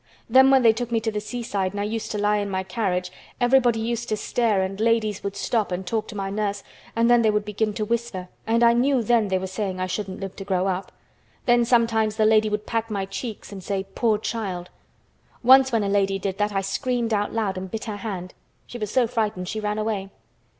Then when they took me to the seaside and I used to lie in my carriage everybody used to stare and ladies would stop and talk to my nurse and then they would begin to whisper and I knew then they were saying I shouldn't live to grow up. Then sometimes the ladies would pat my cheeks and say 'Poor child!' Once when a lady did that I screamed out loud and bit her hand. She was so frightened she ran away."